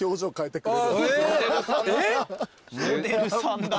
モデルさんだわ。